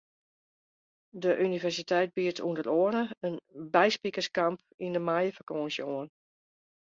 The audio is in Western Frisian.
De universiteit biedt ûnder oare in byspikerkamp yn de maaiefakânsje oan.